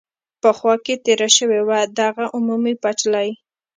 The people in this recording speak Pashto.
په خوا کې تېره شوې وه، دغه عمومي پټلۍ.